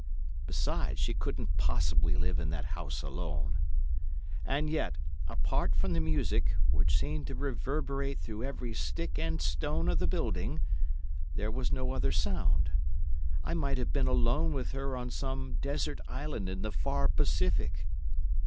Besides, she couldn't possibly live in that house alone. And yet, apart from the music—which seemed to reverberate through every stick and stone of the building—there was no other sound. I might have been alone with her on some desert island in the far Pacific.